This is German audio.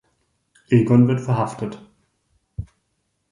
Egon wird verhaftet.